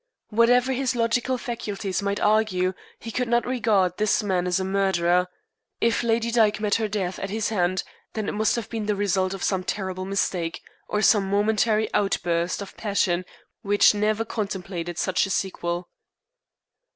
Whatever his logical faculties might argue, he could not regard this man as a murderer. If Lady Dyke met her death at his hand then it must have been the result of some terrible mistake of some momentary outburst of passion which never contemplated such a sequel.